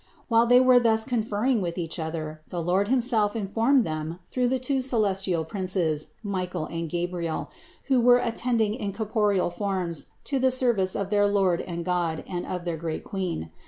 While they were thus conferring with each other, the Lord himself informed them through the two celes tial princes Michael and Gabriel, who were attending in corporeal forms to the service of their Lord and God and of their great Queen.